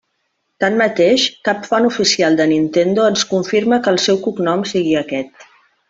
Tanmateix, cap font oficial de Nintendo ens confirma que el seu cognom sigui aquest.